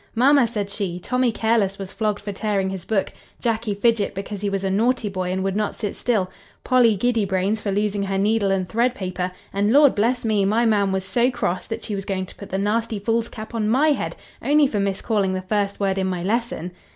"Mamma, said she, Tommy Careless was flogged for tearing his book, Jackey Fidget because he was a naughty boy and would not sit still, Polly Giddybrains, for losing her needle and thread paper, and, Lord bless me! my ma'am was so cross, that she was going to put the nasty fool's cap on my head, only for miscalling the first word in my lesson."